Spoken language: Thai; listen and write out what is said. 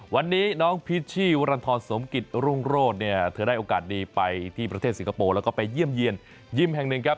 วันนี้น้องพิชชี่วรรณฑรสมกิจรุ่งโรธเนี่ยเธอได้โอกาสดีไปที่ประเทศสิงคโปร์แล้วก็ไปเยี่ยมเยี่ยนยิมแห่งหนึ่งครับ